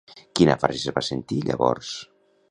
Quina frase es va sentir llavors?